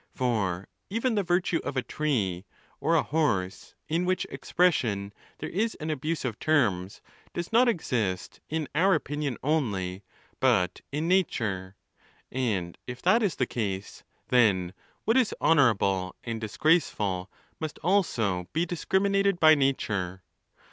For even the virtue of a tree or a horse, in which expression there is an' abuse of terms, does not exist in our opinion only, but in nature ; and if that is the case, then what is honourable and disgraceful, must also be discriminated by nature.